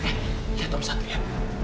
eh lihat om satria